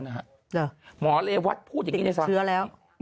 หมอม๔๕พูดอย่างนี้ในสภารณะที่ประดับนี้รัฐธรรมบอกว่าดิขั้นมเค้าพูดอย่างนั้น